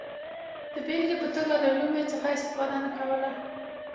د بېلګې په توګه له لومې څخه استفاده نه کوله.